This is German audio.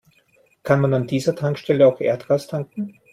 Kann man an dieser Tankstelle auch Erdgas tanken?